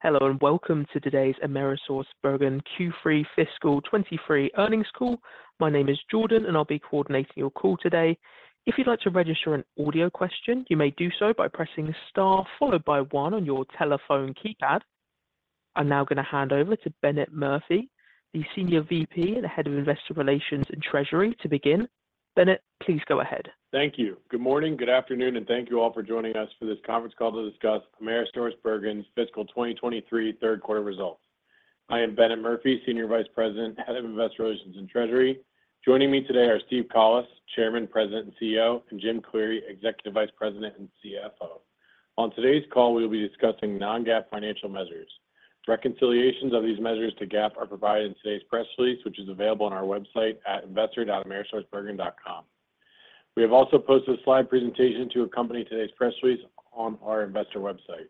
Hello, welcome to today's Cencora Q3 Fiscal 2023 Earnings Call. My name is Jordan, and I'll be coordinating your call today. If you'd like to register an audio question, you may do so by pressing star followed by one on your telephone keypad. I'm now gonna hand over to Bennett Murphy, the Senior Vice President and Head of Investor Relations and Treasury, to begin. Bennett, please go ahead. Thank you. Good morning, good afternoon, and thank you all for joining us for this conference call to discuss AmerisourceBergen's fiscal 2023 third quarter results. I am Bennett Murphy, Senior Vice President, Head of Investor Relations and Treasury. Joining me today are Steven Collis, Chairman, President, and Chief Executive Officer, and James Cleary, Executive Vice President and Chief Financial Officer. On today's call, we will be discussing non-GAAP financial measures. Reconciliations of these measures to GAAP are provided in today's press release, which is available on our website at investor.amerisourcebergen.com. We have also posted a slide presentation to accompany today's press release on our investor website.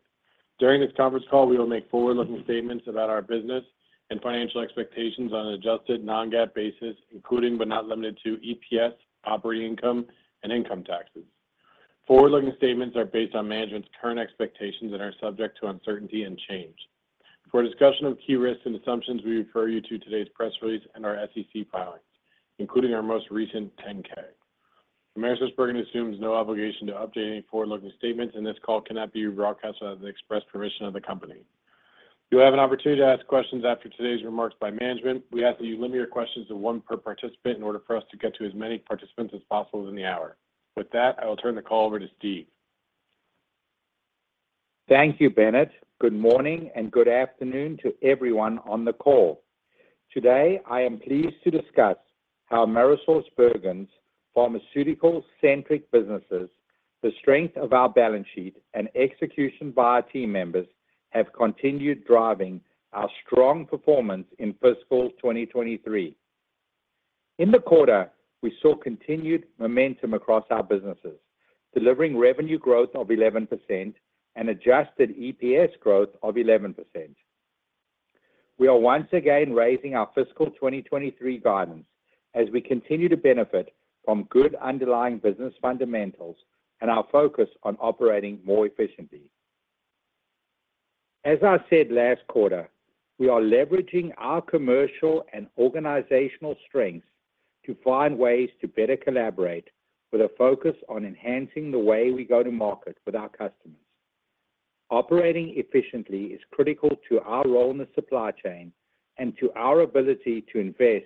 During this conference call, we will make forward-looking statements about our business and financial expectations on an adjusted non-GAAP basis, including, but not limited to EPS, operating income, and income taxes. Forward-looking statements are based on management's current expectations and are subject to uncertainty and change. For a discussion of key risks and assumptions, we refer you to today's press release and our SEC filings, including our most recent 10-K. AmerisourceBergen assumes no obligation to update any forward-looking statements, and this call cannot be broadcast without the express permission of the company. You'll have an opportunity to ask questions after today's remarks by management. We ask that you limit your questions to one per participant in order for us to get to as many participants as possible in the hour. With that, I will turn the call over to Steven. Thank you, Bennett. Good morning, and good afternoon to everyone on the call. Today, I am pleased to discuss how Cencora's pharmaceutical-centric businesses, the strength of our balance sheet, and execution by our team members have continued driving our strong performance in fiscal 2023. In the quarter, we saw continued momentum across our businesses, delivering revenue growth of 11% and adjusted EPS growth of 11%. We are once again raising our fiscal 2023 guidance as we continue to benefit from good underlying business fundamentals and our focus on operating more efficiently. As I said last quarter, we are leveraging our commercial and organizational strengths to find ways to better collaborate with a focus on enhancing the way we go to market with our customers. Operating efficiently is critical to our role in the supply chain and to our ability to invest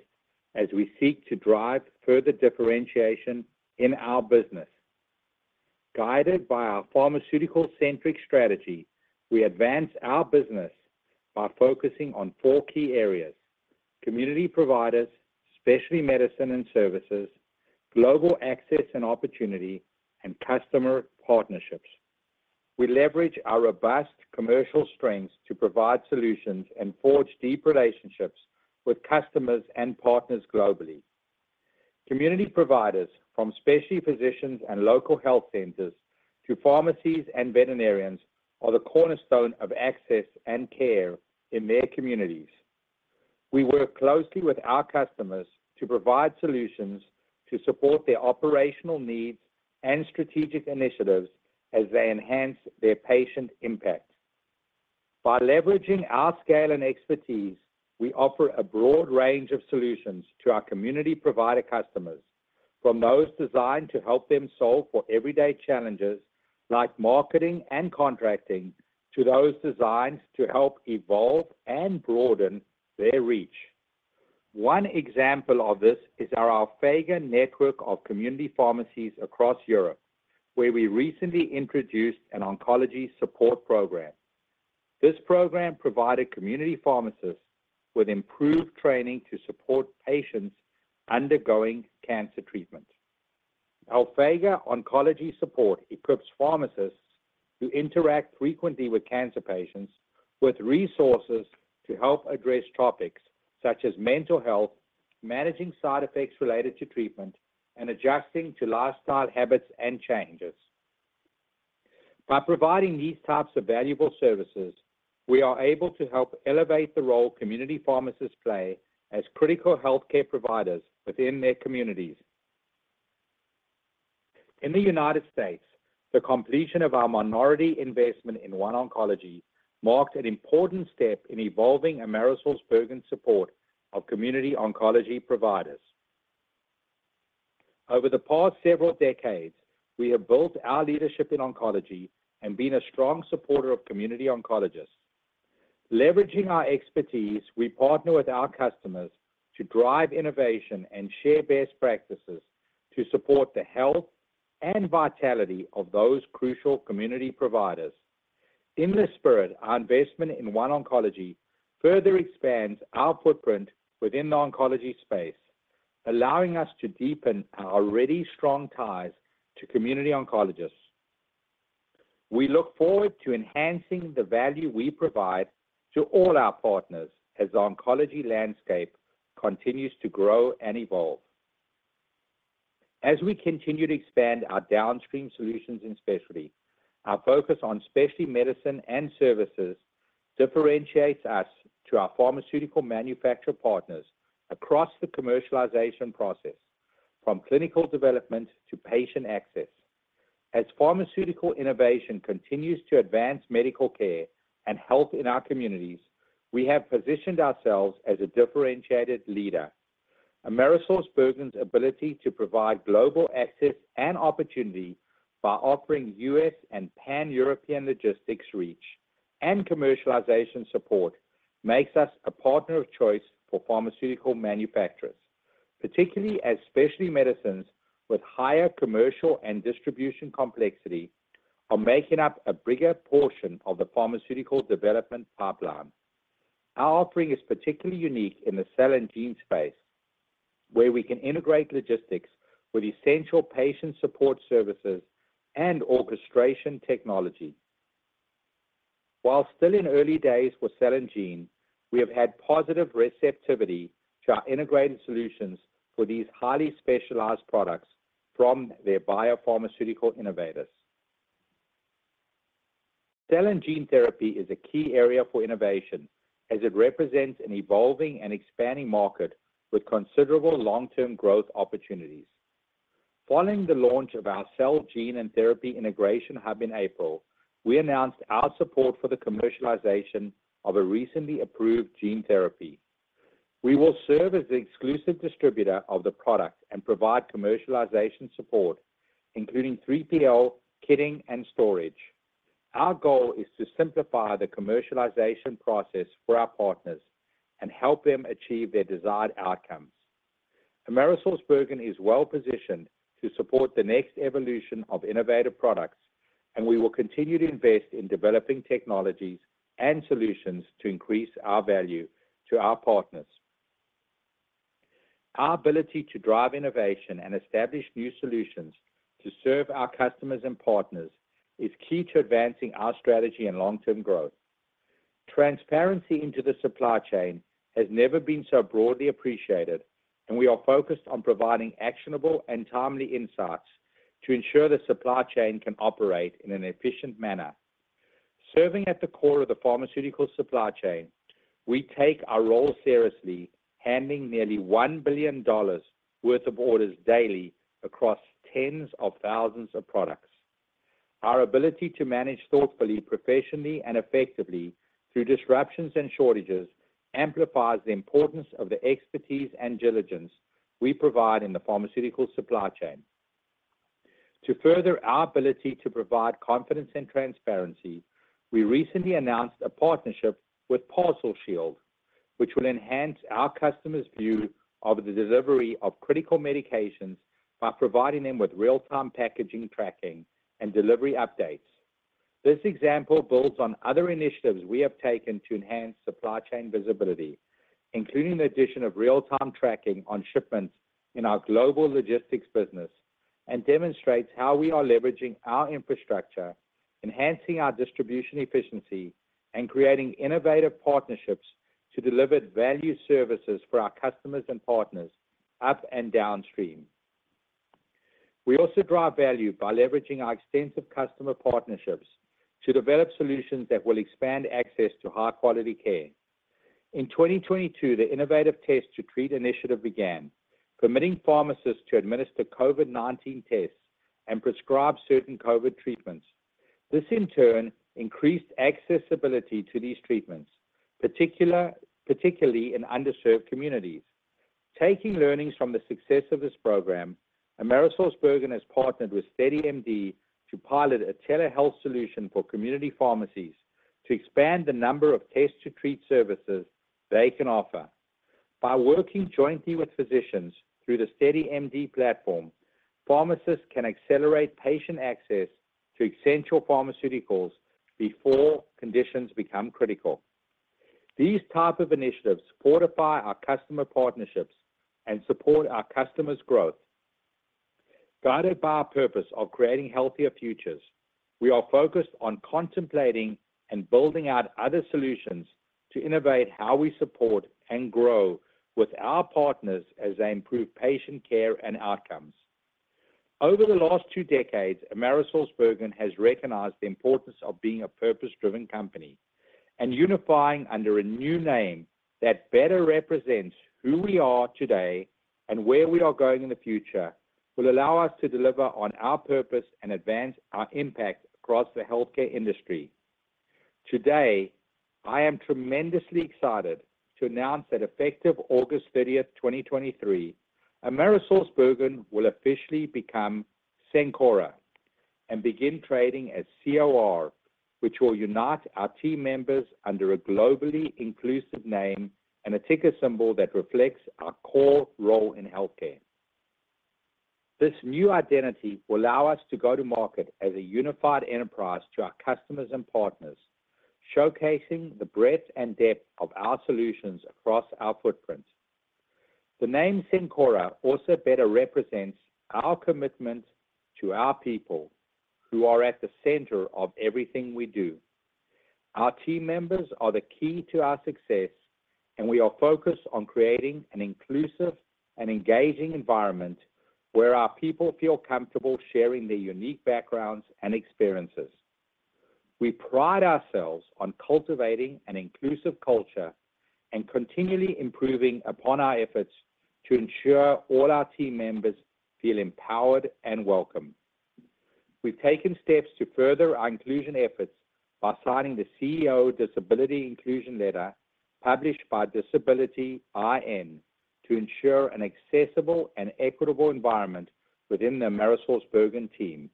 as we seek to drive further differentiation in our business. Guided by our pharmaceutical-centric strategy, we advance our business by focusing on four key areas: community providers, specialty medicine and services, global access and opportunity, and customer partnerships. We leverage our robust commercial strengths to provide solutions and forge deep relationships with customers and partners globally. Community providers, from specialty physicians and local health centers to pharmacies and veterinarians, are the cornerstone of access and care in their communities. We work closely with our customers to provide solutions to support their operational needs and strategic initiatives as they enhance their patient impact. By leveraging our scale and expertise, we offer a broad range of solutions to our community provider customers, from those designed to help them solve for everyday challenges like marketing and contracting, to those designed to help evolve and broaden their reach. One example of this is our Alphega network of community pharmacies across Europe, where we recently introduced an oncology support program. This program provided community pharmacists with improved training to support patients undergoing cancer treatment. Alphega Oncology Support equips pharmacists who interact frequently with cancer patients with resources to help address topics such as mental health, managing side effects related to treatment, and adjusting to lifestyle habits and changes. By providing these types of valuable services, we are able to help elevate the role community pharmacists play as critical healthcare providers within their communities. In the United States, the completion of our minority investment in OneOncology marks an important step in evolving AmerisourceBergen's support of community oncology providers. Over the past several decades, we have built our leadership in oncology and been a strong supporter of community oncologists. Leveraging our expertise, we partner with our customers to drive innovation and share best practices to support the health and vitality of those crucial community providers. In this spirit, our investment in OneOncology further expands our footprint within the oncology space, allowing us to deepen our already strong ties to community oncologists. We look forward to enhancing the value we provide to all our partners as the oncology landscape continues to grow and evolve. As we continue to expand our downstream solutions in specialty, our focus on specialty medicine and services differentiates us to our pharmaceutical manufacturer partners across the commercialization process, from clinical development to patient access. As pharmaceutical innovation continues to advance medical care and health in our communities, we have positioned ourselves as a differentiated leader. AmerisourceBergen's ability to provide global access and opportunity by offering U.S. and Pan-European logistics reach and commercialization support, makes us a partner of choice for pharmaceutical manufacturers. Particularly as specialty medicines with higher commercial and distribution complexity, are making up a bigger portion of the pharmaceutical development pipeline. Our offering is particularly unique in the cell and gene space, where we can integrate logistics with essential patient support services and orchestration technology. While still in early days with cell and gene, we have had positive receptivity to our integrated solutions for these highly specialized products from their biopharmaceutical innovators. Cell and gene therapy is a key area for innovation as it represents an evolving and expanding market with considerable long-term growth opportunities. Following the launch of our Cell and Gene Therapy Integration Hub in April, we announced our support for the commercialization of a recently approved gene therapy. We will serve as the exclusive distributor of the product and provide commercialization support, including 3PL, kitting, and storage. Our goal is to simplify the commercialization process for our partners and help them achieve their desired outcomes. Cencora is well positioned to support the next evolution of innovative products, and we will continue to invest in developing technologies and solutions to increase our value to our partners. Our ability to drive innovation and establish new solutions to serve our customers and partners, is key to advancing our strategy and long-term growth. Transparency into the supply chain has never been so broadly appreciated. We are focused on providing actionable and timely insights to ensure the supply chain can operate in an efficient manner. Serving at the core of the pharmaceutical supply chain, we take our role seriously, handling nearly $1 billion worth of orders daily across tens of thousands of products. Our ability to manage thoughtfully, professionally, and effectively through disruptions and shortages, amplifies the importance of the expertise and diligence we provide in the pharmaceutical supply chain. To further our ability to provide confidence and transparency, we recently announced a partnership with ParcelShield, which will enhance our customers' view of the delivery of critical medications by providing them with real-time packaging, tracking, and delivery updates. This example builds on other initiatives we have taken to enhance supply chain visibility, including the addition of real-time tracking on shipments in our global logistics business, and demonstrates how we are leveraging our infrastructure, enhancing our distribution efficiency, and creating innovative partnerships to deliver value services for our customers and partners up and downstream. We also drive value by leveraging our extensive customer partnerships to develop solutions that will expand access to high-quality care. In 2022, the innovative Test to Treat initiative began, permitting pharmacists to administer COVID-19 tests and prescribe certain COVID treatments. This, in turn, increased accessibility to these treatments, particularly in underserved communities. Taking learnings from the success of this program, AmerisourceBergen has partnered with SteadyMD to pilot a telehealth solution for community pharmacies, to expand the number of Test to Treat services they can offer. By working jointly with physicians through the SteadyMD platform, pharmacists can accelerate patient access to essential pharmaceuticals before conditions become critical. These type of initiatives fortify our customer partnerships and support our customers' growth. Guided by our purpose of creating healthier futures, we are focused on contemplating and building out other solutions to innovate how we support and grow with our partners as they improve patient care and outcomes. Over the last two decades, AmerisourceBergen has recognized the importance of being a purpose-driven company and unifying under a new name that better represents who we are today and where we are going in the future, will allow us to deliver on our purpose and advance our impact across the healthcare industry. Today, I am tremendously excited to announce that effective August 30, 2023, AmerisourceBergen will officially become Cencora and begin trading as COR, which will unite our team members under a globally inclusive name and a ticker symbol that reflects our core role in healthcare. This new identity will allow us to go to market as a unified enterprise to our customers and partners, showcasing the breadth and depth of our solutions across our footprint. The name Cencora also better represents our commitment to our people, who are at the center of everything we do. Our team members are the key to our success, and we are focused on creating an inclusive and engaging environment where our people feel comfortable sharing their unique backgrounds and experiences. We pride ourselves on cultivating an inclusive culture and continually improving upon our efforts to ensure all our team members feel empowered and welcome. We've taken steps to further our inclusion efforts by signing the Chief Executive Officer Disability Inclusion Letter, published by Disability:IN, to ensure an accessible and equitable environment within the Cencora team.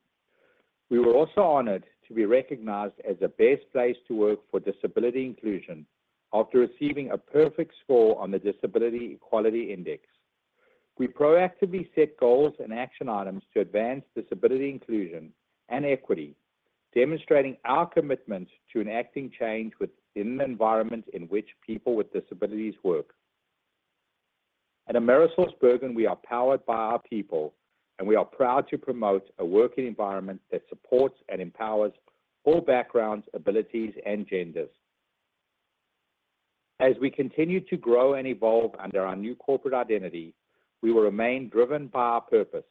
We were also honored to be recognized as the best place to work for disability inclusion after receiving a perfect score on the Disability Equality Index. We proactively set goals and action items to advance disability inclusion and equity, demonstrating our commitment to enacting change within the environment in which people with disabilities work. At Cencora, we are powered by our people, and we are proud to promote a working environment that supports and empowers all backgrounds, abilities, and genders. As we continue to grow and evolve under our new corporate identity, we will remain driven by our purpose.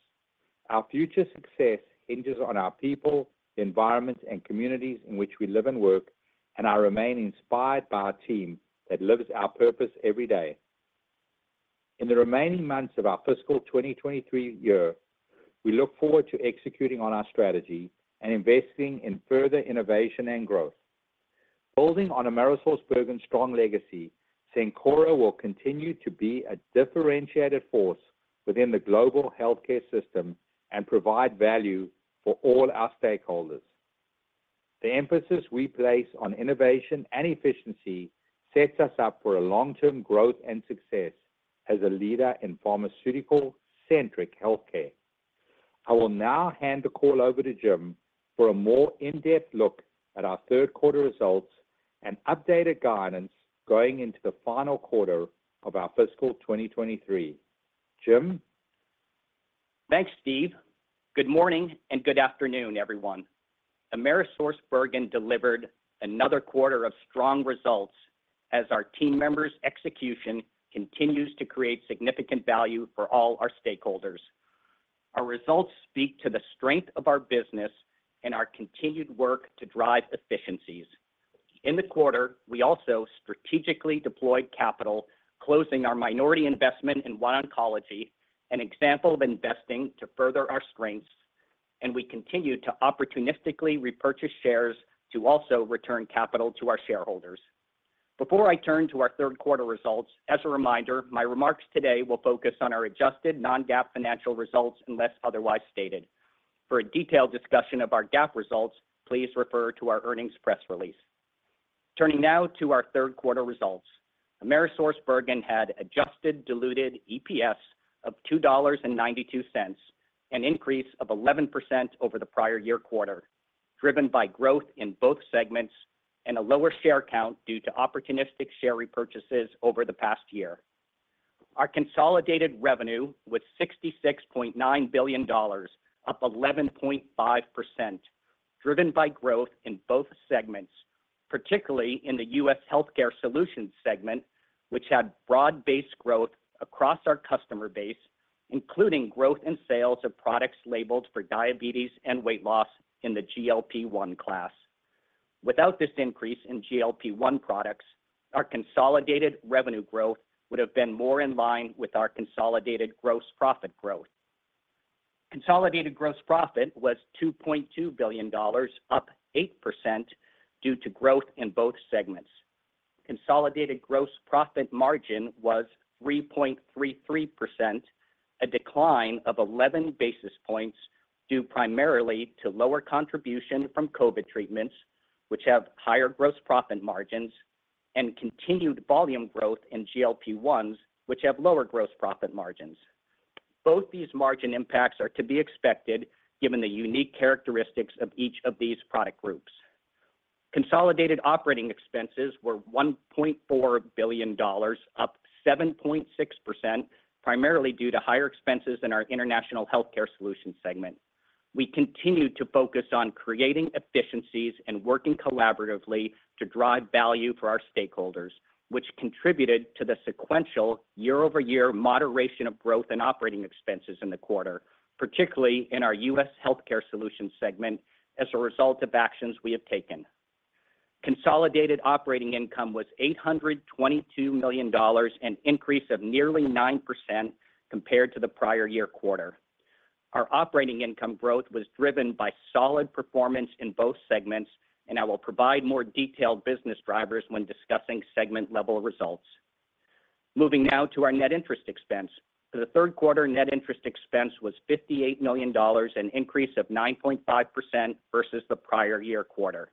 Our future success hinges on our people, the environment, and communities in which we live and work, and I remain inspired by our team that lives our purpose every day. In the remaining months of our fiscal 2023 year, we look forward to executing on our strategy and investing in further innovation and growth. Building on AmerisourceBergen's strong legacy, Cencora will continue to be a differentiated force within the global healthcare system and provide value for all our stakeholders. The emphasis we place on innovation and efficiency sets us up for a long-term growth and success as a leader in pharmaceutical-centric healthcare. I will now hand the call over to James for a more in-depth look at our third quarter results and updated guidance going into the final quarter of our fiscal 2023. James? Thanks, Steve. Good morning, and good afternoon, everyone. Cencora delivered another quarter of strong results as our team members' execution continues to create significant value for all our stakeholders. Our results speak to the strength of our business and our continued work to drive efficiencies. In the quarter, we also strategically deployed capital, closing our minority investment in OneOncology, an example of investing to further our strengths, and we continued to opportunistically repurchase shares to also return capital to our shareholders. Before I turn to our third quarter results, as a reminder, my remarks today will focus on our adjusted non-GAAP financial results, unless otherwise stated. For a detailed discussion of our GAAP results, please refer to our earnings press release. Turning now to our third quarter results. Cencora had adjusted diluted EPS of $2.92, an increase of 11% over the prior year quarter, driven by growth in both segments and a lower share count due to opportunistic share repurchases over the past year. Our consolidated revenue was $66.9 billion, up 11.5%, driven by growth in both segments, particularly in the U.S. Healthcare Solutions segment, which had broad-based growth across our customer base, including growth in sales of products labeled for diabetes and weight loss in the GLP-1 class. Without this increase in GLP-1 products, our consolidated revenue growth would have been more in line with our consolidated gross profit growth. Consolidated gross profit was $2.2 billion, up 8% due to growth in both segments. Consolidated gross profit margin was 3.33%, a decline of 11 basis points, due primarily to lower contribution from COVID treatments, which have higher gross profit margins and continued volume growth in GLP-1s, which have lower gross profit margins. Both these margin impacts are to be expected, given the unique characteristics of each of these product groups. Consolidated operating expenses were $1.4 billion, up 7.6%, primarily due to higher expenses in our International Healthcare Solutions segment. We continued to focus on creating efficiencies and working collaboratively to drive value for our stakeholders, which contributed to the sequential year-over-year moderation of growth and operating expenses in the quarter, particularly in our U.S. Healthcare Solutions segment, as a result of actions we have taken. Consolidated operating income was $822 million, an increase of nearly 9% compared to the prior year quarter. Our operating income growth was driven by solid performance in both segments, and I will provide more detailed business drivers when discussing segment-level results. Moving now to our net interest expense. For the third quarter, net interest expense was $58 million, an increase of 9.5% versus the prior year quarter.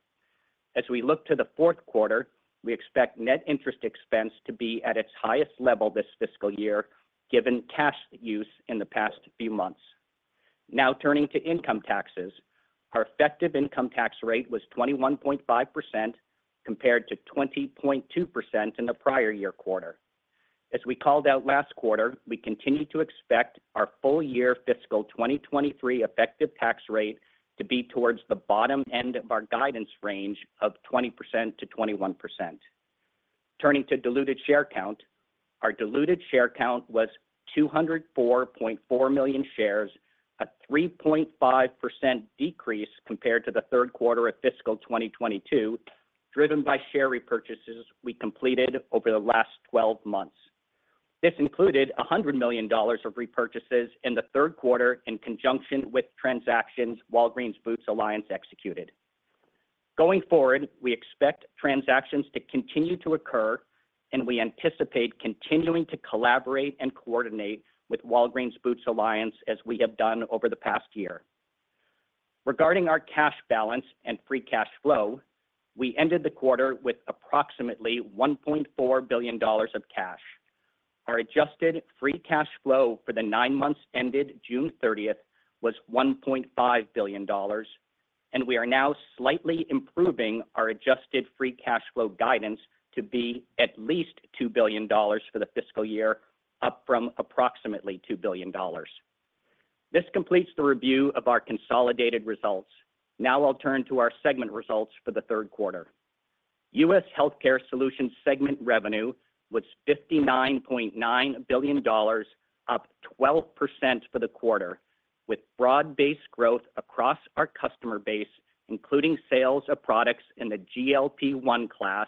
As we look to the fourth quarter, we expect net interest expense to be at its highest level this fiscal year, given cash use in the past few months. Now, turning to income taxes. Our effective income tax rate was 21.5%, compared to 20.2% in the prior year quarter. As we called out last quarter, we continue to expect our full year fiscal 2023 effective tax rate to be towards the bottom end of our guidance range of 20%-21%. Turning to diluted share count, our diluted share count was 204.4 million shares, a 3.5% decrease compared to the third quarter of fiscal 2022, driven by share repurchases we completed over the last 12 months. This included $100 million of repurchases in the third quarter in conjunction with transactions Walgreens Boots Alliance executed. Going forward, we expect transactions to continue to occur, and we anticipate continuing to collaborate and coordinate with Walgreens Boots Alliance as we have done over the past year. Regarding our cash balance and free cash flow, we ended the quarter with approximately $1.4 billion of cash. Our adjusted free cash flow for the nine months ended June 30th was $1.5 billion. We are now slightly improving our adjusted free cash flow guidance to be at least $2 billion for the fiscal year, up from approximately $2 billion. This completes the review of our consolidated results. Now I'll turn to our segment results for the third quarter. U.S. Healthcare Solutions segment revenue was $59.9 billion, up 12% for the quarter, with broad-based growth across our customer base, including sales of products in the GLP-1 class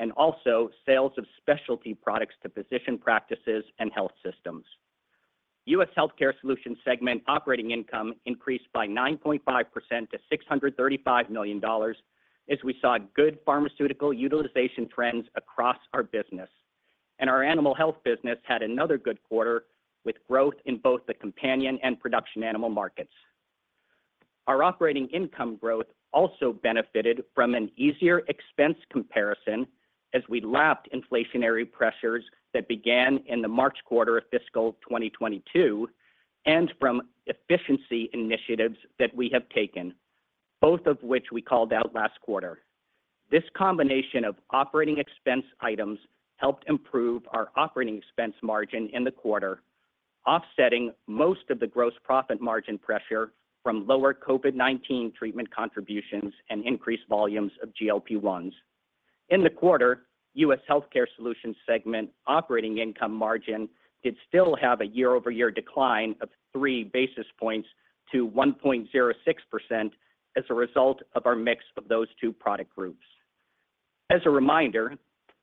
and also sales of specialty products to physician practices and health systems. U.S. Healthcare Solutions segment operating income increased by 9.5% to $635 million, as we saw good pharmaceutical utilization trends across our business. Our animal health business had another good quarter, with growth in both the companion and production animal markets. Our operating income growth also benefited from an easier expense comparison as we lapped inflationary pressures that began in the March quarter of fiscal 2022, and from efficiency initiatives that we have taken, both of which we called out last quarter. This combination of operating expense items helped improve our operating expense margin in the quarter, offsetting most of the gross profit margin pressure from lower COVID-19 treatment contributions and increased volumes of GLP-1s. In the quarter, U.S. Healthcare Solutions segment operating income margin did still have a year-over-year decline of 3 basis points to 1.06% as a result of our mix of those two product groups. As a reminder,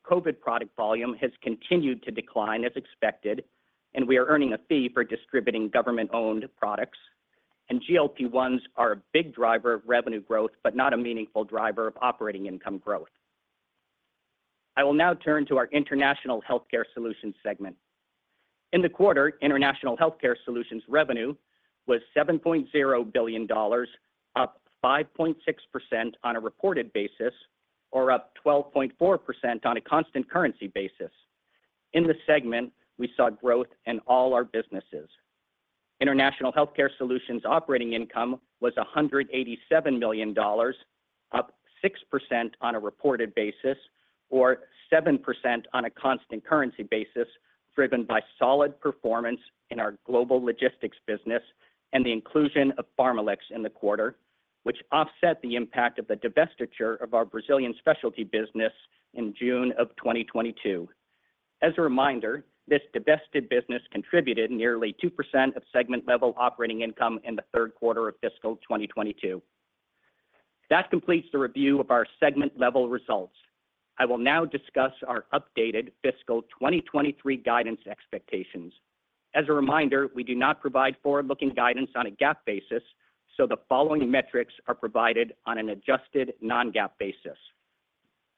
COVID product volume has continued to decline as expected, and we are earning a fee for distributing government-owned products. GLP-1s are a big driver of revenue growth, but not a meaningful driver of operating income growth. I will now turn to our International Healthcare Solutions segment. In the quarter, International Healthcare Solutions revenue was $7.0 billion, up 5.6% on a reported basis, or up 12.4% on a constant currency basis. In the segment, we saw growth in all our businesses. International Healthcare Solutions operating income was $187 million, up 6% on a reported basis or 7% on a constant currency basis, driven by solid performance in our global logistics business and the inclusion of PharmaLex in the quarter, which offset the impact of the divestiture of our Brazilian specialty business in June 2022. As a reminder, this divested business contributed nearly 2% of segment-level operating income in the third quarter of fiscal 2022. That completes the review of our segment-level results. I will now discuss our updated fiscal 2023 guidance expectations. As a reminder, we do not provide forward-looking guidance on a GAAP basis, the following metrics are provided on an adjusted non-GAAP basis.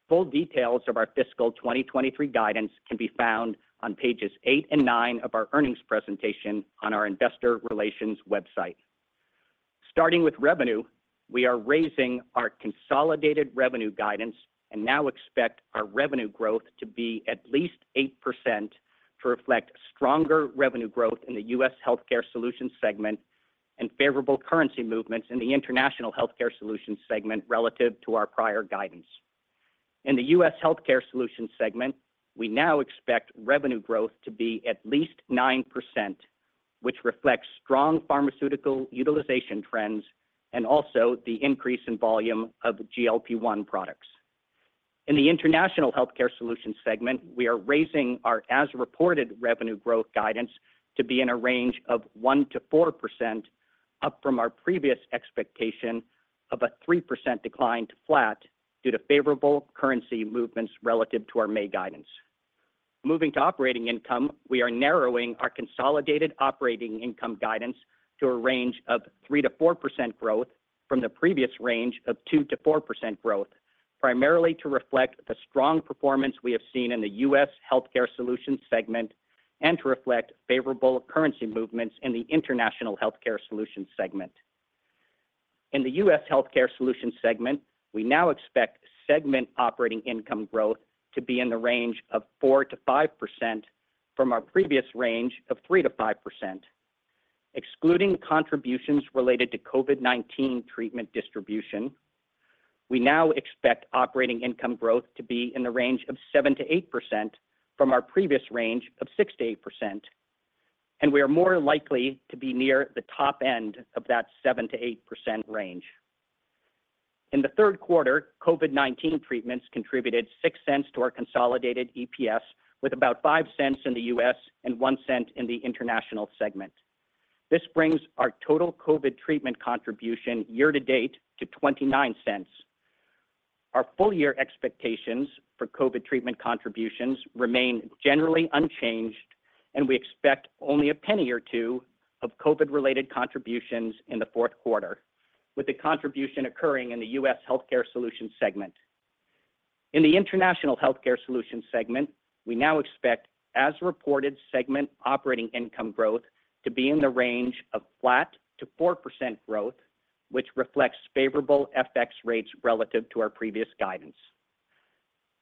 Full details of our fiscal 2023 guidance can be found on pages eight and nine of our earnings presentation on our investor relations website. Starting with revenue, we are raising our consolidated revenue guidance and now expect our revenue growth to be at least 8% to reflect stronger revenue growth in the U.S. Healthcare Solutions segment and favorable currency movements in the International Healthcare Solutions segment relative to our prior guidance. In the U.S. Healthcare Solutions segment, we now expect revenue growth to be at least 9%, which reflects strong pharmaceutical utilization trends and also the increase in volume of GLP-1 products. In the International Healthcare Solutions segment, we are raising our as-reported revenue growth guidance to be in a range of 1%-4%, up from our previous expectation of a 3% decline to flat due to favorable currency movements relative to our May guidance. Moving to operating income, we are narrowing our consolidated operating income guidance to a range of 3%-4% growth from the previous range of 2%-4% growth, primarily to reflect the strong performance we have seen in the U.S. Healthcare Solutions segment and to reflect favorable currency movements in the International Healthcare Solutions segment. In the U.S. Healthcare Solutions segment, we now expect segment operating income growth to be in the range of 4%-5% from our previous range of 3%-5%. Excluding contributions related to COVID-19 treatment distribution, we now expect operating income growth to be in the range of 7%-8% from our previous range of 6%-8%, and we are more likely to be near the top end of that 7%-8% range. In the third quarter, COVID-19 treatments contributed $0.06 to our consolidated EPS, with about $0.05 in the U.S. and $0.01 in the international segment. This brings our total COVID treatment contribution year-to-date to $0.29. Our full year expectations for COVID treatment contributions remain generally unchanged, and we expect only $0.01 or $0.02 of COVID-related contributions in the fourth quarter, with the contribution occurring in the U.S. Healthcare Solutions segment. In the International Healthcare Solutions segment, we now expect as-reported segment operating income growth to be in the range of flat to 4% growth, which reflects favorable FX rates relative to our previous guidance.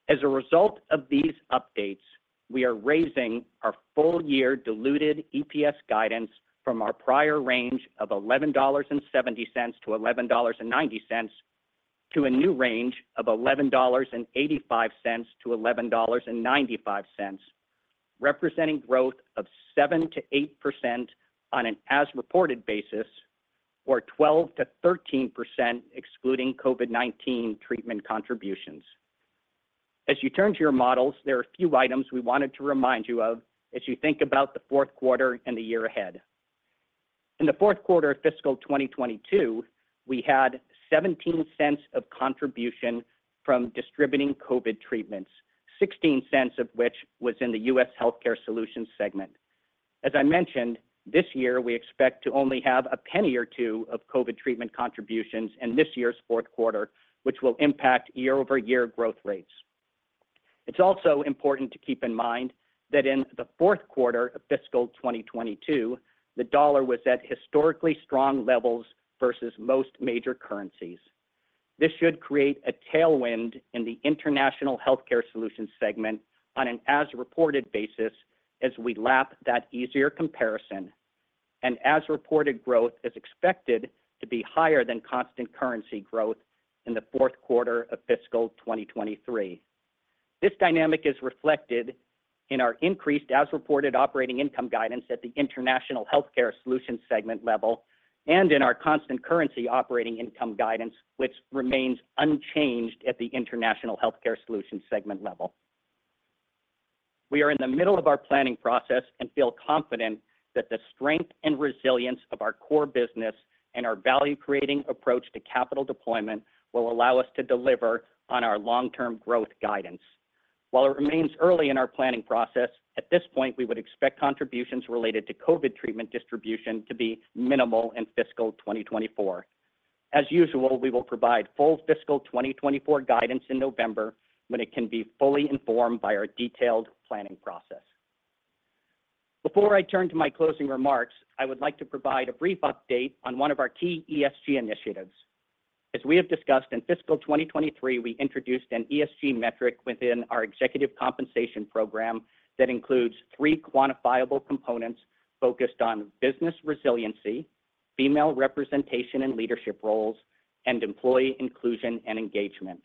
As a result of these updates, we are raising our full year diluted EPS guidance from our prior range of $11.70-$11.90, to a new range of $11.85-$11.95, representing growth of 7%-8% on an as-reported basis, or 12%-13% excluding COVID-19 treatment contributions. As you turn to your models, there are a few items we wanted to remind you of as you think about the fourth quarter and the year ahead. In the fourth quarter of fiscal 2022, we had $0.17 of contribution from distributing COVID treatments, $0.16 of which was in the U.S. Healthcare Solutions segment. As I mentioned, this year, we expect to only have a penny or two of COVID treatment contributions in this year's fourth quarter, which will impact year-over-year growth rates. It's also important to keep in mind that in the fourth quarter of fiscal 2022, the dollar was at historically strong levels versus most major currencies. This should create a tailwind in the International Healthcare Solutions segment on an as-reported basis as we lap that easier comparison. As-reported growth is expected to be higher than constant currency growth in the fourth quarter of fiscal 2023. This dynamic is reflected in our increased as-reported operating income guidance at the International Healthcare Solutions segment level and in our constant currency operating income guidance, which remains unchanged at the International Healthcare Solutions segment level. We are in the middle of our planning process and feel confident that the strength and resilience of our core business and our value-creating approach to capital deployment will allow us to deliver on our long-term growth guidance. While it remains early in our planning process, at this point, we would expect contributions related to COVID-19 treatment distribution to be minimal in fiscal 2024. As usual, we will provide full fiscal 2024 guidance in November, when it can be fully informed by our detailed planning process. Before I turn to my closing remarks, I would like to provide a brief update on one of our key ESG initiatives. As we have discussed, in fiscal 2023, we introduced an ESG metric within our executive compensation program that includes three quantifiable components focused on business resiliency, female representation in leadership roles, and employee inclusion and engagement.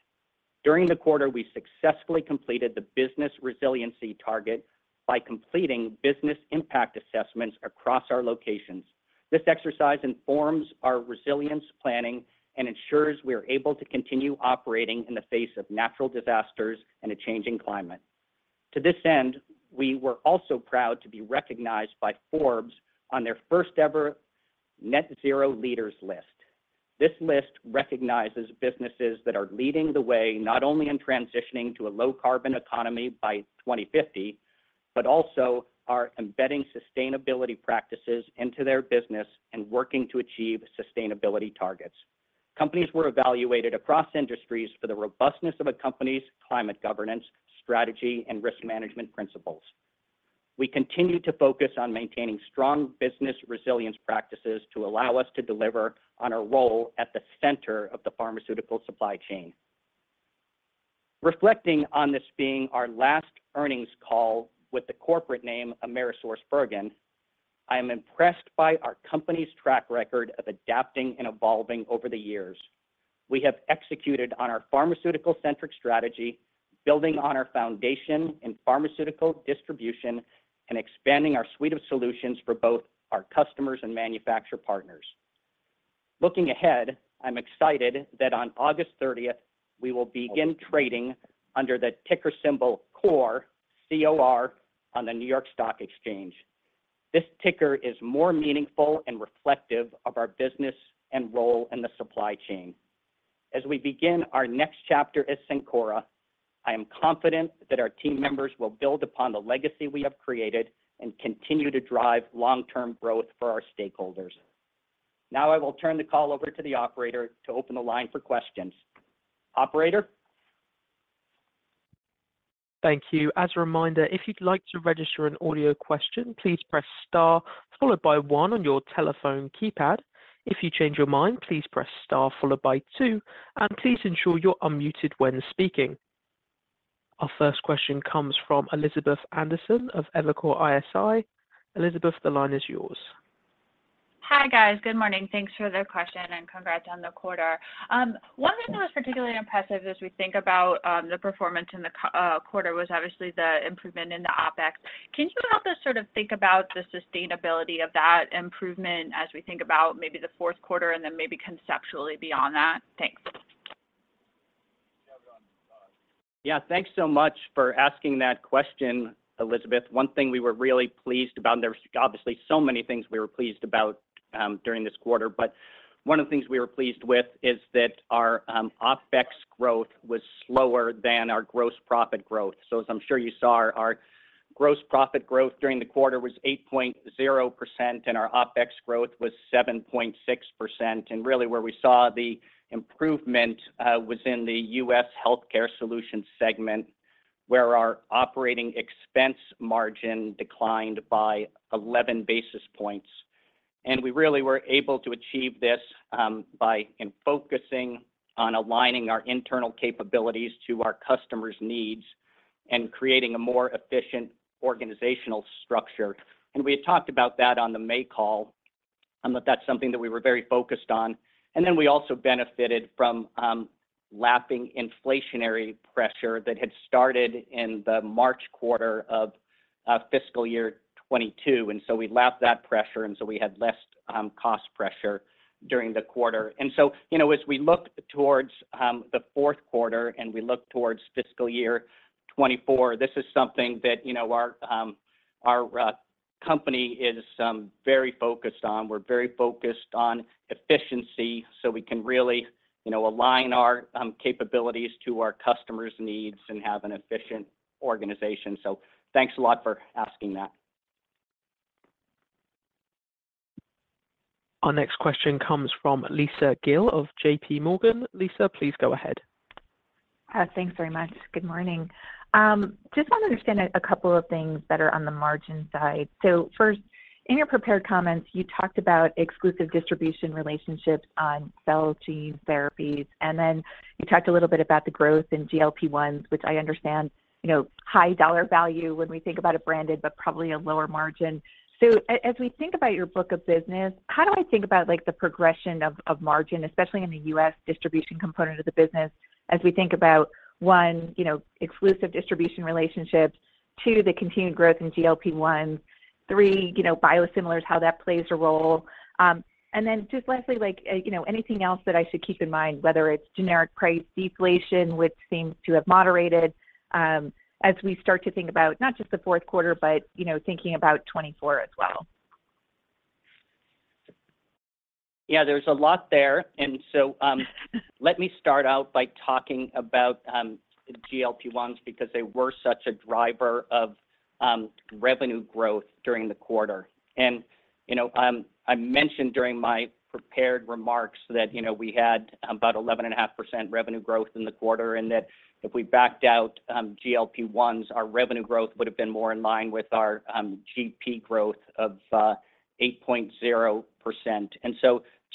During the quarter, we successfully completed the business resiliency target by completing business impact assessments across our locations. This exercise informs our resilience planning and ensures we are able to continue operating in the face of natural disasters and a changing climate. To this end, we were also proud to be recognized by Forbes on their first-ever Net-Zero Leaders List. This list recognizes businesses that are leading the way, not only in transitioning to a low-carbon economy by 2050, but also are embedding sustainability practices into their business and working to achieve sustainability targets. Companies were evaluated across industries for the robustness of a company's climate governance, strategy, and risk management principles. We continue to focus on maintaining strong business resilience practices to allow us to deliver on our role at the center of the pharmaceutical supply chain. Reflecting on this being our last earnings call with the corporate name, AmerisourceBergen, I am impressed by our company's track record of adapting and evolving over the years. We have executed on our pharmaceutical-centric strategy, building on our foundation in pharmaceutical distribution and expanding our suite of solutions for both our customers and manufacturer partners. Looking ahead, I'm excited that on August 30th, we will begin trading under the ticker symbol COR, C-O-R, on the New York Stock Exchange. This ticker is more meaningful and reflective of our business and role in the supply chain. As we begin our next chapter as Cencora, I am confident that our team members will build upon the legacy we have created and continue to drive long-term growth for our stakeholders. Now, I will turn the call over to the operator to open the line for questions. Operator? Thank you. As a reminder, if you'd like to register an audio question, please press star followed by one on your telephone keypad. If you change your mind, please press star followed by two, please ensure you're unmuted when speaking. Our first question comes from Elizabeth Anderson of Evercore ISI. Elizabeth, the line is yours. Hi, guys. Good morning. Thanks for the question, and congrats on the quarter. One thing that was particularly impressive as we think about the performance in the quarter, was obviously the improvement in the OpEx. Can you help us sort of think about the sustainability of that improvement as we think about maybe the fourth quarter and then maybe conceptually beyond that? Thanks. Yeah, thanks so much for asking that question, Elizabeth. One thing we were really pleased about, and there's obviously so many things we were pleased about, during this quarter, but one of the things we were pleased with is that our OpEx growth was slower than our gross profit growth. As I'm sure you saw, our, our gross profit growth during the quarter was 8.0%, and our OpEx growth was 7.6%. Really, where we saw the improvement was in the U.S. Healthcare Solutions segment, where our operating expense margin declined by 11 basis points. We really were able to achieve this by in focusing on aligning our internal capabilities to our customers' needs and creating a more efficient organizational structure. We had talked about that on the May call, that that's something that we were very focused on. Then we also benefited from lapping inflationary pressure that had started in the March quarter of fiscal year 2022. We lapped that pressure, and so we had less cost pressure during the quarter. You know, as we look towards the fourth quarter and we look towards fiscal year 2024, this is something that, you know, our, our company is very focused on. We're very focused on efficiency, so we can really, you know, align our capabilities to our customers' needs and have an efficient organization. Thanks a lot for asking that. Our next question comes from Lisa Gill of J.P. Morgan. Lisa, please go ahead. Thanks very much. Good morning. Just want to understand a, a couple of things that are on the margin side. First, in your prepared comments, you talked about exclusive distribution relationships on cell gene therapies, and then you talked a little bit about the growth in GLP-1, which I understand, you know, high dollar value when we think about a branded, but probably a lower margin. As we think about your book of business, how do I think about, like, the progression of, of margin, especially in the U.S. distribution component of the business, as we think about, one, you know, exclusive distribution relationships; two, the continued growth in GLP-1; three, you know, biosimilars, how that plays a role? Then just lastly, like, you know, anything else that I should keep in mind, whether it's generic price deflation, which seems to have moderated, as we start to think about not just the fourth quarter, but, you know, thinking about 2024 as well. Yeah, there's a lot there. Let me start out by talking about GLP-1s because they were such a driver of revenue growth during the quarter. You know, I mentioned during my prepared remarks that, you know, we had about 11.5% revenue growth in the quarter, and that if we backed out GLP-1s, our revenue growth would have been more in line with our GP growth of 8.0%.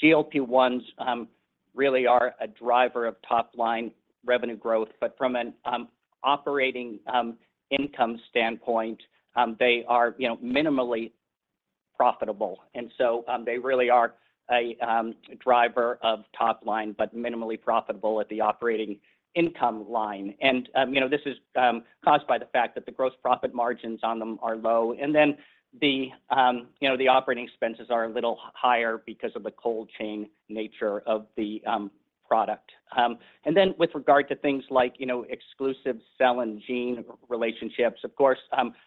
GLP-1s really are a driver of top-line revenue growth, but from an operating income standpoint, they are, you know, minimally profitable. They really are a driver of top line, but minimally profitable at the operating income line. You know, this is caused by the fact that the gross profit margins on them are low. The, you know, the operating expenses are a little higher because of the cold chain nature of the product. With regard to things like, you know, exclusive cell and gene relationships, of course,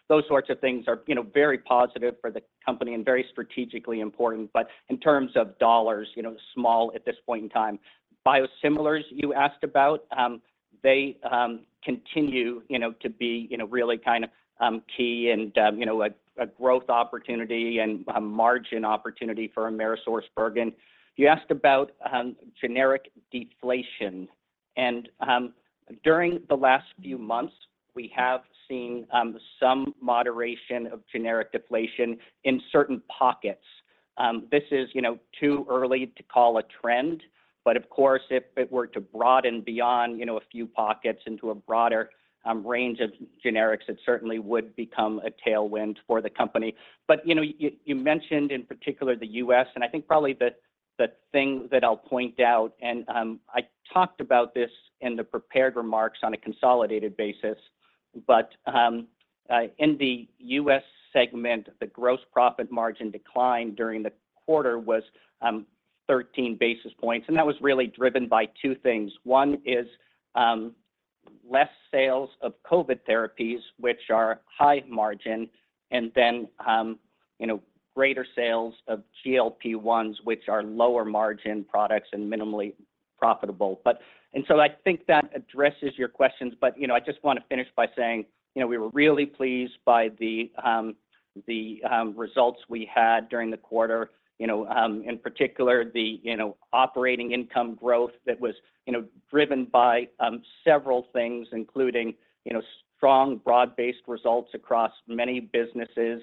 those sorts of things are, you know, very positive for the company and very strategically important. But in terms of dollars, you know, small at this point in time. biosimilars, you asked about, they continue, you know, to be, you know, really kind of, key and, you know, a growth opportunity and a margin opportunity for AmerisourceBergen. You asked about generic deflation, during the last few months, we have seen some moderation of generic deflation in certain pockets. This is, you know, too early to call a trend, but of course, if it were to broaden beyond, you know, a few pockets into a broader range of generics, it certainly would become a tailwind for the company. You know, you, you mentioned in particular the U.S., and I think probably the, the thing that I'll point out, and I talked about this in the prepared remarks on a consolidated basis, in the U.S. segment, the gross profit margin decline during the quarter was 13 basis points, and that was really driven by two things. One is, less sales of COVID-19 therapies, which are high margin, and then, you know, greater sales of GLP-1s, which are lower margin products and minimally profitable. I think that addresses your questions, but, you know, I just want to finish by saying, you know, we were really pleased by the results we had during the quarter. In particular, the, you know, operating income growth that was, you know, driven by several things, including, you know, strong, broad-based results across many businesses,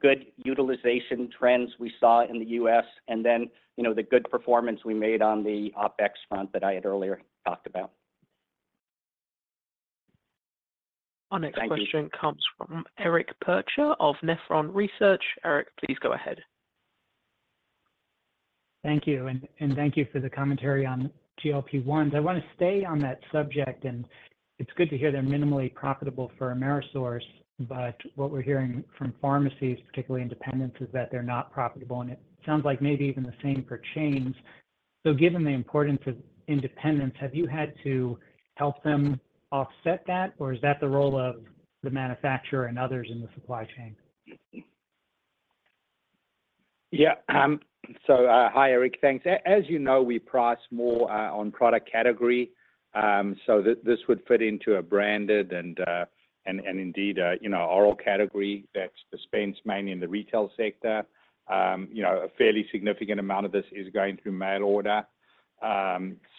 good utilization trends we saw in the U.S., and then, you know, the good performance we made on the OpEx front that I had earlier talked about. Our next- Thank you. question comes from Eric Percher of Nephron Research. Eric, please go ahead. Thank you, and thank you for the commentary on GLP-1s. I want to stay on that subject, and it's good to hear they're minimally profitable for AmerisourceBergen. What we're hearing from pharmacies, particularly independents, is that they're not profitable. It sounds like maybe even the same for chains. Given the importance of independence, have you had to help them offset that, or is that the role of the manufacturer and others in the supply chain? Yeah, so, hi, Eric, thanks. As you know, we price more on product category, so this would fit into a branded and, and indeed, a, you know, oral category that's dispensed mainly in the retail sector. You know, a fairly significant amount of this is going through mail order.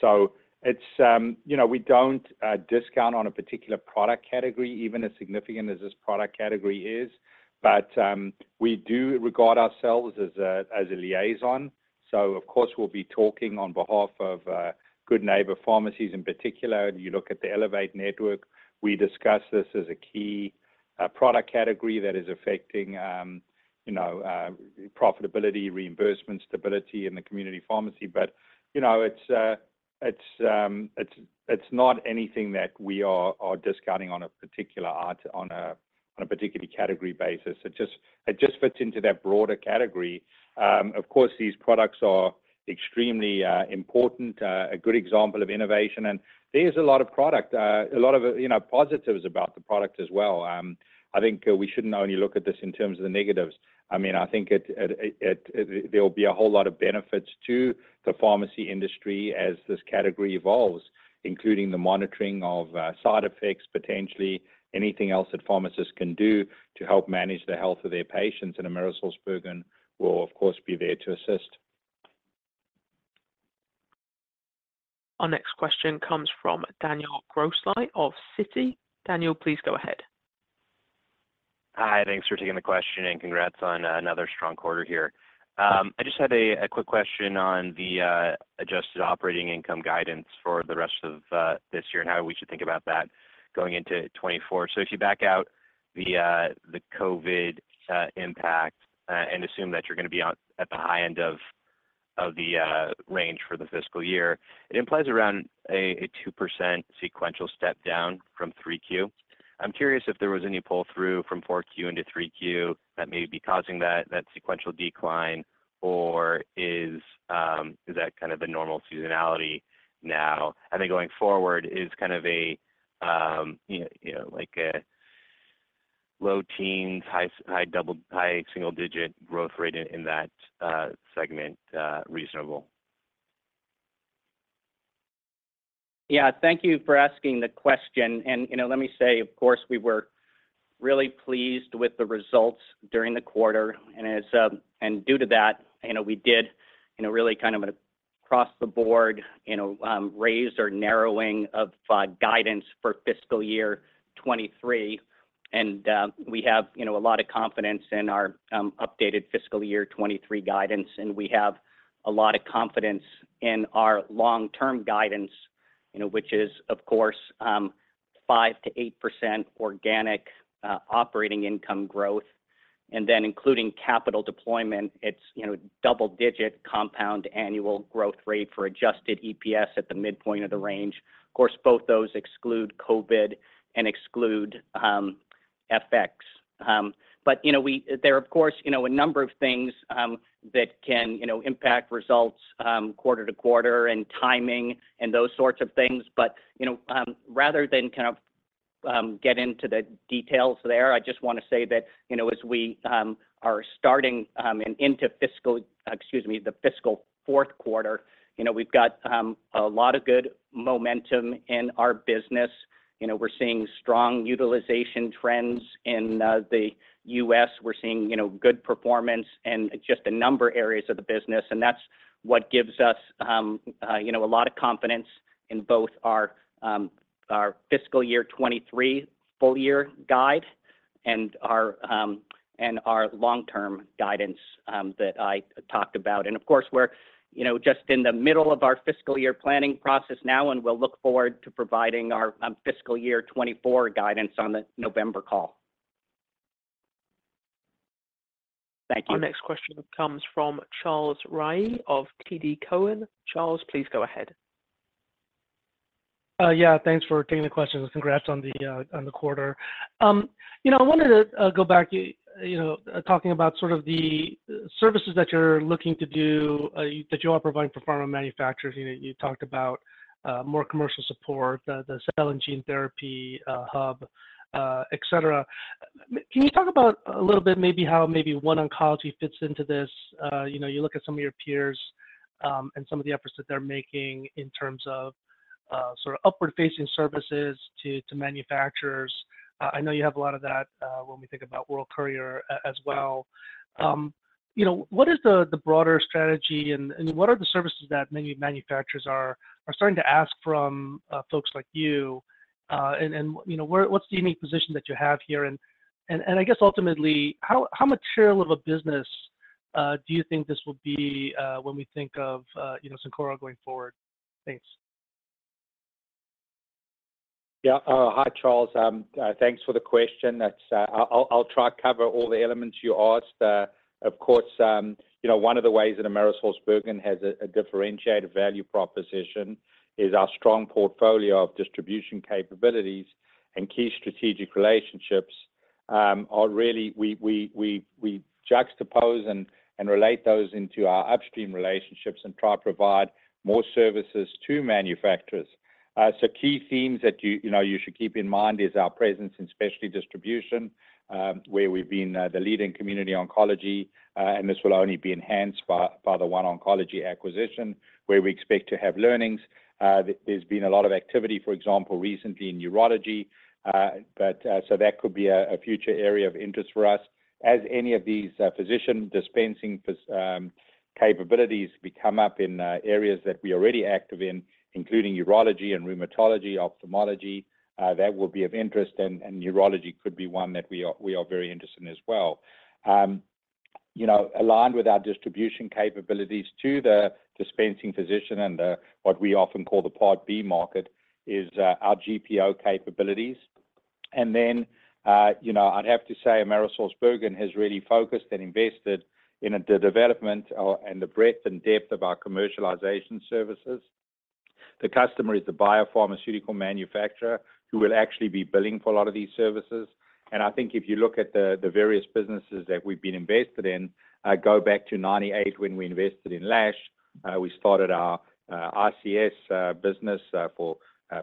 So it's, you know, we don't discount on a particular product category, even as significant as this product category is. We do regard ourselves as a, as a liaison, so of course, we'll be talking on behalf of Good Neighbor Pharmacies in particular. You look at the Elevate network, we discuss this as a key product category that is affecting, you know, profitability, reimbursement, stability in the community pharmacy. You know, it's, it's not anything that we are, are discounting on a particular category basis. It just, it just fits into that broader category. Of course, these products are extremely important, a good example of innovation, and there's a lot of product, a lot of, you know, positives about the product as well. I think we shouldn't only look at this in terms of the negatives. I mean, I think, it, there will be a whole lot of benefits to the pharmacy industry as this category evolves, including the monitoring of side effects, potentially anything else that pharmacists can do to help manage the health of their patients. Cencora will, of course, be there to assist. Our next question comes from Daniel Grosslight of Citi. Daniel, please go ahead. Hi, thanks for taking the question, congrats on another strong quarter here. I just had a quick question on the adjusted operating income guidance for the rest of this year and how we should think about that going into 2024. If you back out the COVID impact and assume that you're going to be at the high end of the range for the fiscal year, it implies around a 2% sequential step down from 3Q. I'm curious if there was any pull-through from 4Q into 3Q that may be causing that, that sequential decline, or is that kind of the normal seasonality now? Then going forward, is kind of a, you know, you know, like a low teens, high single-digit growth rate in, in that segment, reasonable? Yeah, thank you for asking the question. You know, let me say, of course, we were really pleased with the results during the quarter, and as, and due to that, you know, we did, you know, really kind of an across the board, you know, raise or narrowing of guidance for fiscal year 2023. We have, you know, a lot of confidence in our updated fiscal year 2023 guidance, and we have a lot of confidence in our long-term guidance, you know, which is of course, 5%-8% organic operating income growth. Then, including capital deployment, it's, you know, double-digit compound annual growth rate for adjusted EPS at the midpoint of the range. Of course, both those exclude COVID and exclude FX. You know, there are, of course, you know, a number of things, that can, you know, impact results, quarter to quarter and timing and those sorts of things. You know, rather than kind of, get into the details there, I just want to say that, you know, as we, are starting, and into fiscal, excuse me, the fiscal fourth quarter, you know, we've got, a lot of good momentum in our business. You know, we're seeing strong utilization trends in, the U.S. We're seeing, you know, good performance in just a number of areas of the business, and that's what gives us, you know, a lot of confidence in both our, our fiscal year 2023 full year guide and our, and our long-term guidance, that I talked about. Of course, we're, you know, just in the middle of our fiscal year planning process now, and we'll look forward to providing our fiscal year 24 guidance on the November call. Thank you. Our next question comes from Charles Rhyee of TD Cowen. Charles, please go ahead. Yeah, thanks for taking the question, and congrats on the quarter. You know, I wanted to go back, you know, talking about sort of the services that you're looking to do that you are providing for pharma manufacturers. You know, you talked about more commercial support, the Cell and Gene Therapy Integration Hub, etc. Can you talk about a little bit, maybe how maybe OneOncology fits into this? You know, you look at some of your peers, and some of the efforts that they're making in terms of sort of upward-facing services to manufacturers. I know you have a lot of that when we think about World Courier as well. You know, what is the, the broader strategy and what are the services that many manufacturers are starting to ask from folks like you? You know, what's the unique position that you have here? I guess ultimately, how much share of a business do you think this will be when we think of, you know, Cencora going forward? Thanks. Yeah. Hi, Charles. Thanks for the question. That's. I'll try to cover all the elements you asked. Of course, you know, one of the ways that AmerisourceBergen has a, a differentiated value proposition is our strong portfolio of distribution capabilities and key strategic relationships. are really ,we juxtapose and, and relate those into our upstream relationships and try to provide more services to manufacturers. Key themes that you, you know, you should keep in mind is our presence in specialty distribution, where we've been the leading community oncology, and this will only be enhanced by the One Oncology acquisition, where we expect to have learnings. There's been a lot of activity, for example, recently in urology. So that could be a future area of interest for us. As any of these physician dispensing capabilities become up in areas that we are already active in, including urology and rheumatology, ophthalmology, that will be of interest, and urology could be one that we are, we are very interested in as well. You know, aligned with our distribution capabilities to the dispensing physician and what we often call the Part B market, is our GPO capabilities. You know, I'd have to say AmerisourceBergen has really focused and invested in the development and the breadth and depth of our commercialization services. The customer is the biopharmaceutical manufacturer, who will actually be billing for a lot of these services. I think if you look at the various businesses that we've been invested in, go back to 98 when we invested in Lash, we started our ICS business for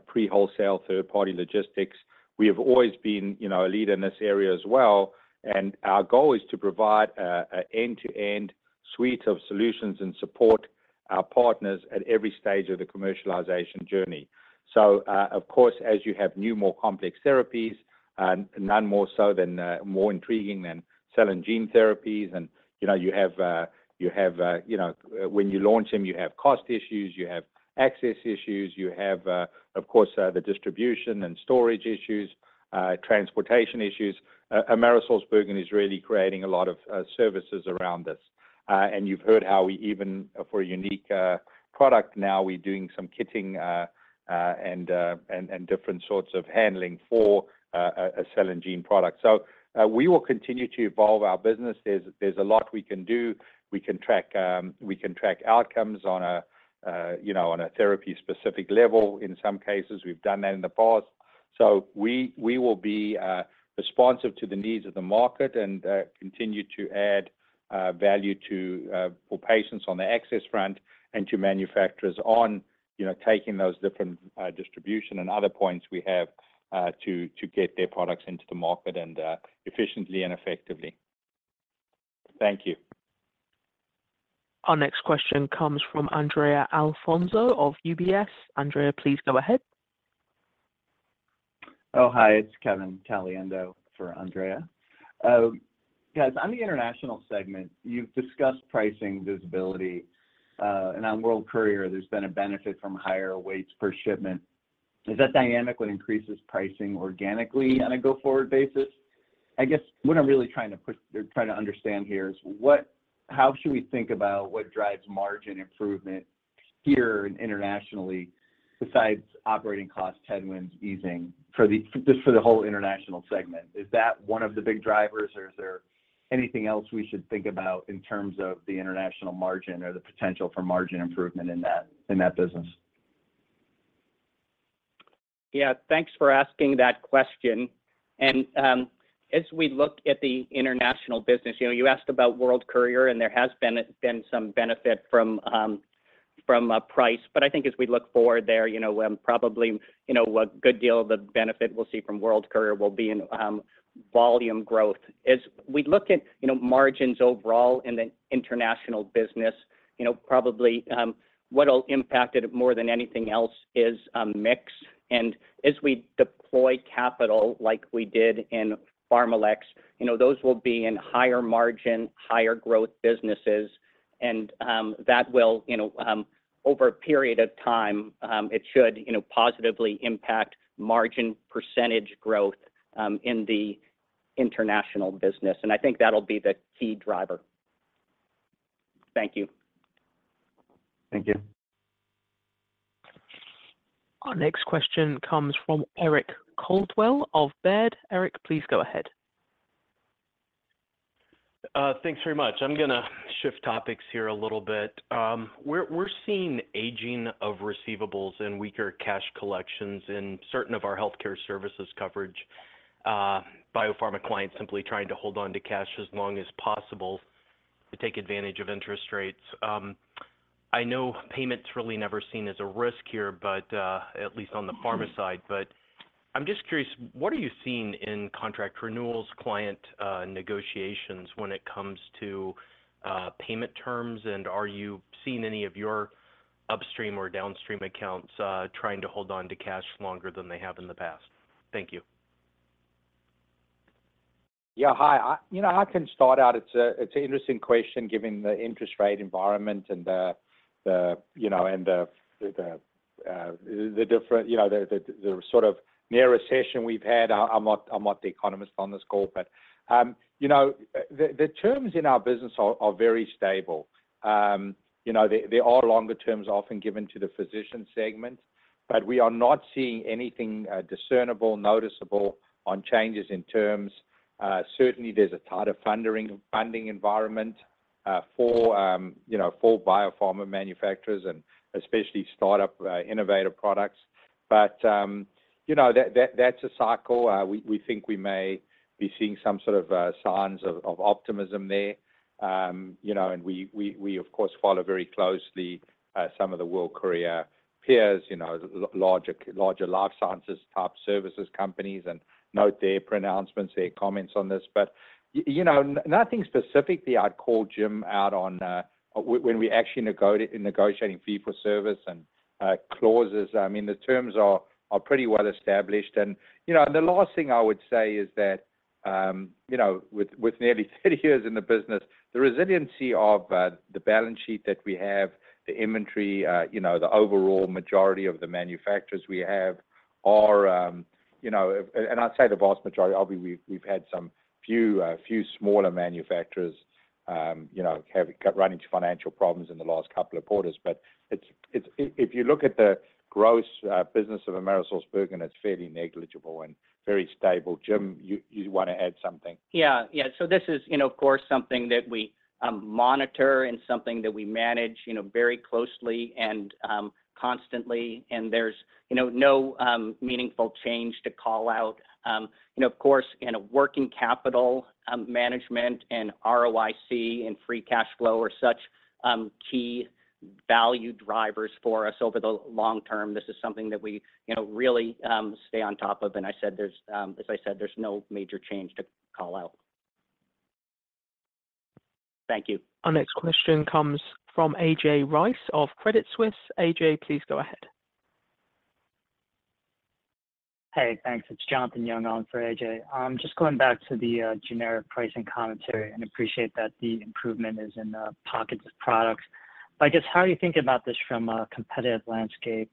pre-wholesale, third-party logistics. We have always been, you know, a leader in this area as well, and our goal is to provide a end-to-end suite of solutions and support our partners at every stage of the commercialization journey. Of course, as you have new, more complex therapies, and none more so than more intriguing than cell and gene therapies, and, you know, you have, you know. When you launch them, you have cost issues, you have access issues, you have, of course, the distribution and storage issues, transportation issues. Cencora is really creating a lot of services around this. And you've heard how we even for a unique product now, we're doing some kitting, and different sorts of handling for a cell and gene product. We will continue to evolve our business. There's a lot we can do. We can track outcomes on a, you know, on a therapy-specific level. In some cases, we've done that in the past. We, we will be responsive to the needs of the market and continue to add value for patients on the access front and to manufacturers on, you know, taking those different distribution and other points we have to get their products into the market and efficiently and effectively. Thank you. Our next question comes from Andrea Alfonso of UBS. Andrea, please go ahead. Oh, hi, it's Kevin Caliendo for Andrea. Guys, on the international segment, you've discussed pricing visibility, and on World Courier, there's been a benefit from higher weights per shipment. Does that dynamic would increases pricing organically on a go-forward basis? I guess what I'm really trying to push or trying to understand here is how should we think about what drives margin improvement here and internationally, besides operating cost headwinds easing just for the whole international segment? Is that one of the big drivers, or is there anything else we should think about in terms of the international margin or the potential for margin improvement in that, in that business? Yeah, thanks for asking that question. As we look at the international business, you know, you asked about World Courier, and there has been, been some benefit from price. I think as we look forward there, you know, probably, a good deal of the benefit we'll see from World Courier will be in volume growth. As we look at, you know, margins overall in the international business, you know, probably, what will impact it more than anything else is mix. As we deploy capital like we did in PharmaLex, you know, those will be in higher margin, higher growth businesses, and that will, you know, over a period of time, it should, you know, positively impact margin % growth in the international business. I think that'll be the key driver. Thank you. Thank you. Our next question comes from Eric Coldwell of Baird. Eric, please go ahead. Thanks very much. I'm gonna shift topics here a little bit. We're seeing aging of receivables and weaker cash collections in certain of our healthcare services coverage, biopharma clients simply trying to hold on to cash as long as possible to take advantage of interest rates. I know payment's really never seen as a risk here, but at least on the pharma side. I'm just curious, what are you seeing in contract renewals, client, negotiations when it comes to payment terms? Are you seeing any of your upstream or downstream accounts, trying to hold on to cash longer than they have in the past? Thank you. Yeah, hi. You know, I can start out. It's a, it's an interesting question, given the interest rate environment and the, the, you know, and the, the, the different, you know, the, the, the sort of near recession we've had. I, I'm not, I'm not the economist on this call, but, you know, the, the terms in our business are, are very stable. You know, there, there are longer terms often given to the physician segment, but we are not seeing anything discernible, noticeable on changes in terms. Certainly, there's a tighter funding environment for, you know, for biopharma manufacturers and especially startup innovative products. You know, that, that, that's a cycle. We, we think we may be seeing some sort of signs of, of optimism there. You know, we, of course, follow very closely some of the World Courier peers, you know, larger, larger life sciences type services companies, and note their pronouncements, their comments on this. you know, nothing specifically I'd call James out on when we actually in negotiating fee for service and clauses. I mean, the terms are pretty well established. you know, the last thing I would say is that, you know, with nearly 30 years in the business, the resiliency of the balance sheet that we have, the inventory, you know, the overall majority of the manufacturers we have are, you know... I'd say the vast majority, obviously, we've, we've had some few, few smaller manufacturers, you know, have run into financial problems in the last two quarters. It's if you look at the gross business of AmerisourceBergen, it's fairly negligible and very stable. James, you, you want to add something? Yeah. This is, you know, of course, something that we, monitor and something that we manage, you know, very closely and, constantly, and there's, you know, no, meaningful change to call out. You know, of course, in a working capital, management and ROIC, and free cash flow are such, key value drivers for us over the long term. This is something that we, you know, really, stay on top of. I said there's, as I said, there's no major change to call out. Thank you. Our next question comes from A.J. Rice of Credit Suisse. A.J., please go ahead. Hey, thanks. It's Jonathan Young on for AJ. I'm just going back to the generic pricing commentary, appreciate that the improvement is in the pockets of products. I guess, how do you think about this from a competitive landscape?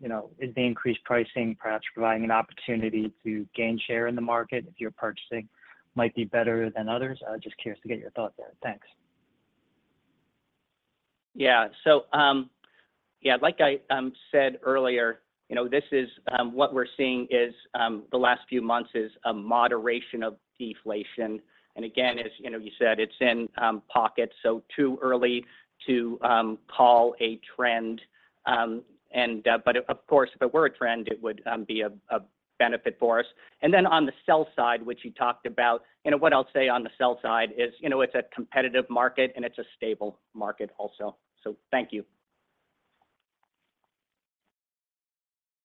You know, is the increased pricing perhaps providing an opportunity to gain share in the market if your purchasing might be better than others? Just curious to get your thoughts there. Thanks. Yeah, like I said earlier, you know, this is what we're seeing is the last few months is a moderation of deflation. Again, as you know, you said, it's in pockets, so too early to call a trend. Of course, if it were a trend, it would be a benefit for us. On the sell side, which you talked about, you know, what I'll say on the sell side is, you know, it's a competitive market, and it's a stable market also. Thank you.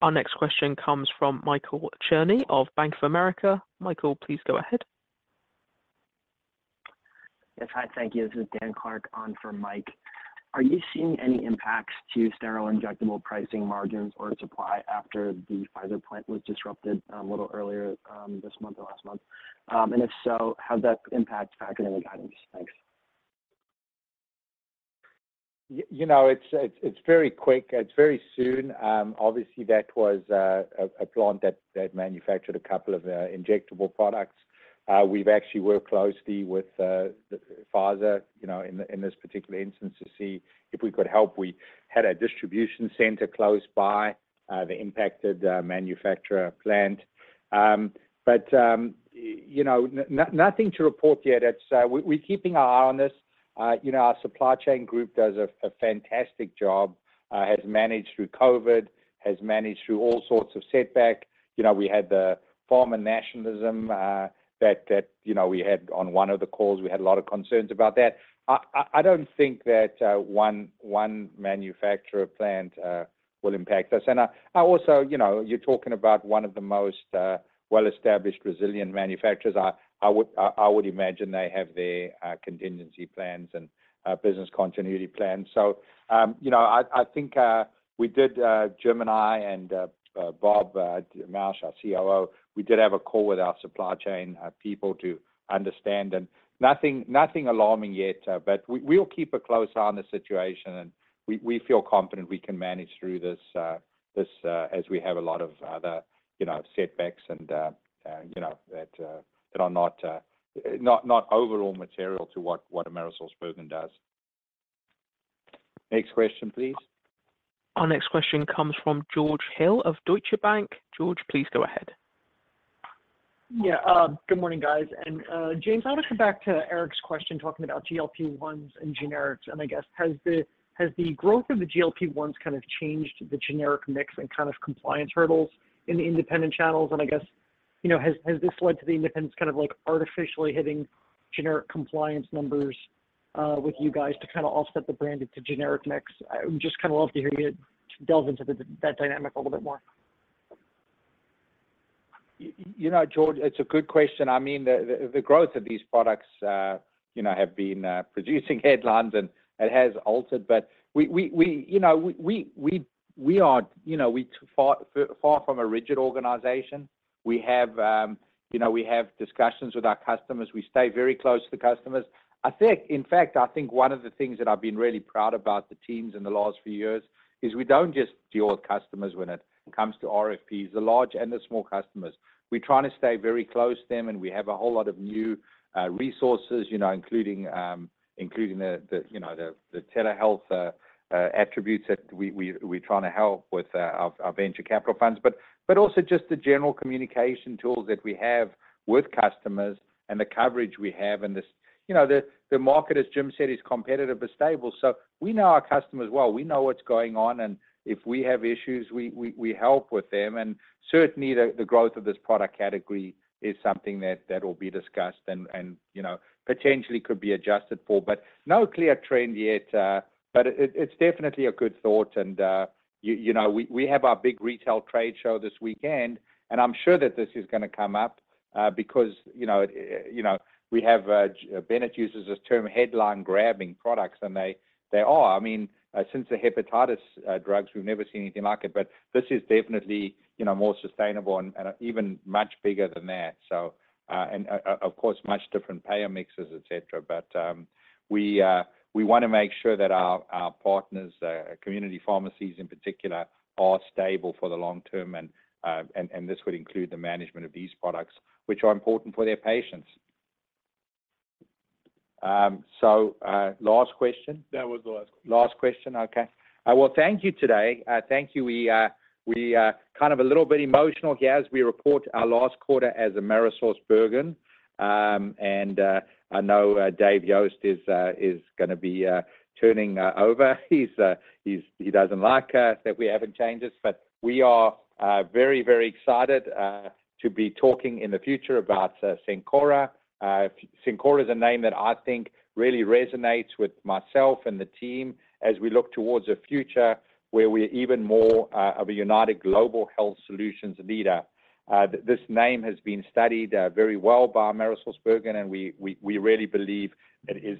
Our next question comes from Michael Cherny of Bank of America. Michael, please go ahead. Yes. Hi, thank you. This is Dan Clark on for Mike. Are you seeing any impacts to sterile injectable pricing margins or supply after the Pfizer plant was disrupted, a little earlier, this month or last month? If so, how does that impact factoring and guidance? Thanks. You know, it's, it's, it's very quick. It's very soon. Obviously, that was a plant that manufactured 2 injectable products. We've actually worked closely with Pfizer, you know, in this particular instance, to see if we could help. We had a distribution center close by the impacted manufacturer plant. You know, nothing to report yet. It's, we're keeping our eye on this. You know, our supply chain group does a fantastic job, has managed through COVID, has managed through all sorts of setback. You know, we had the pharma nationalism, you know, we had on one of the calls, we had a lot of concerns about that. I don't think that one manufacturer plant will impact us. I also, you know, you're talking about one of the most well-established, resilient manufacturers. I would imagine they have their contingency plans and business continuity plans. So, you know, I think, we did, James and I, and Bob Mauch, our Chief Operating Officer, we did have a call with our supply chain people to understand, and nothing, nothing alarming yet, but we'll keep a close eye on the situation, and we, we feel confident we can manage through this, as we have a lot of other, you know, setbacks and, you know, that are not overall material to what, what AmerisourceBergen does. Next question, please. Our next question comes from George Hill of Deutsche Bank. George, please go ahead. Yeah, good morning, guys. James, I want to come back to Eric's question, talking about GLP-1s and generics. I guess, has the growth of the GLP-1s kind of changed the generic mix and kind of compliance hurdles in the independent channels? I guess, you know, has this led to the independents kind of, like, artificially hitting generic compliance numbers, with you guys to kind of offset the branded to generic mix? I would just love to hear you delve into that dynamic a little bit more. You know, George, it's a good question. I mean, the, the, the growth of these products, you know, have been producing headlines, and it has altered. We, you know, we, we are, you know, we far, far from a rigid organization. We have, you know, we have discussions with our customers. We stay very close to the customers. I think, in fact, I think one of the things that I've been really proud about the teams in the last few years is we don't just deal with customers when it comes to RFPs, the large and the small customers. We're trying to stay very close to them, and we have a whole lot of new resources, you know, including the, you know, telehealth attributes that we're trying to help with our, our venture capital funds. Also just the general communication tools that we have with customers and the coverage we have. This, you know, the market, as James said, is competitive but stable, so we know our customers well. We know what's going on, and if we have issues, we help with them. Certainly, the growth of this product category is something that will be discussed and, you know, potentially could be adjusted for, but no clear trend yet, but it's definitely a good thought. You, you know, we, we have our big retail trade show this weekend, and I'm sure that this is gonna come up, because, you know, it, you know, we have, Bennett uses this term headline-grabbing products, and they, they are. I mean, since the hepatitis, drugs, we've never seen anything like it, but this is definitely, you know, more sustainable and, and even much bigger than that. Of course, much different payer mixes, etc. We, we wanna make sure that our, our partners, community pharmacies in particular, are stable for the long term, and, and, and this would include the management of these products, which are important for their patients. Last question? That was the last question. Last question. Okay. Well, thank you today. Thank you. We are, we are kind of a little bit emotional here as we report our last quarter as AmerisourceBergen. I know Dave Yost is gonna be turning over. He doesn't like that we haven't changed it, but we are very, very excited to be talking in the future about Cencora. Cencora is a name that I think really resonates with myself and the team as we look towards a future where we're even more of a united global health solutions leader. This name has been studied very well by AmerisourceBergen, we, we, we really believe it is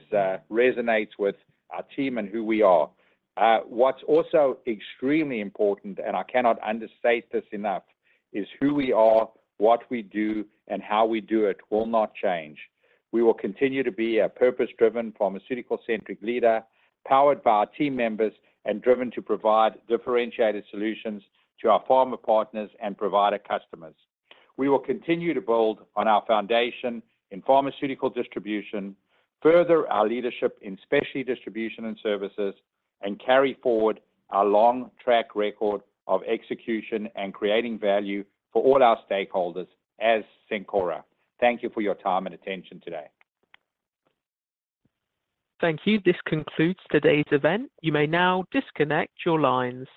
resonates with our team and who we are. What's also extremely important, and I cannot understate this enough, is who we are, what we do, and how we do it will not change. We will continue to be a purpose-driven, pharmaceutical-centric leader, powered by our team members and driven to provide differentiated solutions to our pharma partners and provider customers. We will continue to build on our foundation in pharmaceutical distribution, further our leadership in specialty distribution and services, and carry forward our long track record of execution and creating value for all our stakeholders as Cencora. Thank you for your time and attention today. Thank you. This concludes today's event. You may now disconnect your lines.